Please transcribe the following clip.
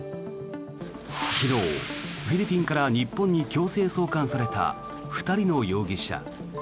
昨日、フィリピンから日本に強制送還された２人の容疑者。